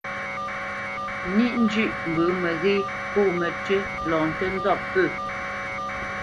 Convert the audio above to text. Níʼ njʉ̂ʼ mbə məghé pô mətʉ́ lɔ ntə nzɔ́p pə̂.